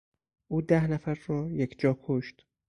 او ده نفر را یکجا کشت.